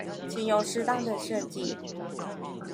請用適當的設計